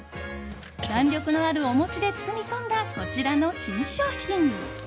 弾力のあるお餅で包み込んだこちらの新商品。